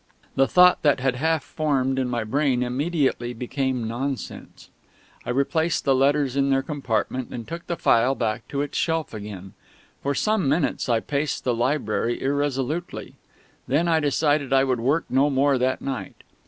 The thought that had half formed in my brain immediately became nonsense. I replaced the letters in their compartment, and took the file back to its shelf again. For some minutes I paced the library irresolutely; then I decided I would work no more that night.